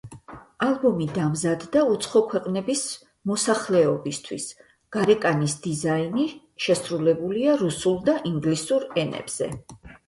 ალბომი დამზადდა უცხო ქვეყნების მოსახლეობისთვის, გარეკანის დიზაინი შესრულებულია რუსულ და ინგლისურ ენებზე.